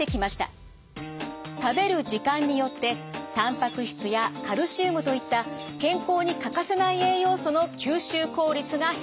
食べる時間によってたんぱく質やカルシウムといった健康に欠かせない栄養素の吸収効率が変化。